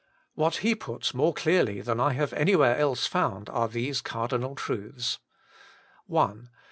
What he puts more clearly than I have anywhere else found are these cardinal truths :— 1.